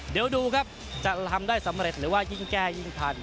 เดี๋ยวดูครับจะลำได้สำเร็จหรือว่ายิ่งแก้ยิ่งทัน